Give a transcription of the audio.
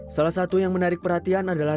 salah satu yang menarik perhatian adalah